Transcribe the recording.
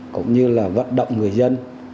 cũng như là vận động người dân